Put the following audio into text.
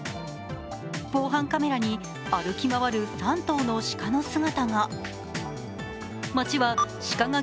防犯カメラに歩き回る３頭の鹿の姿が。